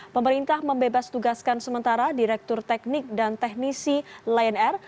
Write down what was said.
pemerintah membebas tugaskan sementara direktur teknik dan teknisi lion air